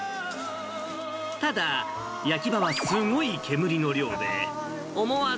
ただ、焼き場はすごい煙の量で、思わず。